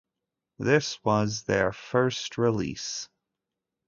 This was their first release.